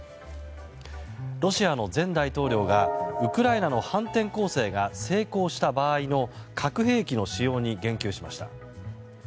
ロシアの前大統領がウクライナの反転攻勢が成功した場合の核兵器の使用に言及しました。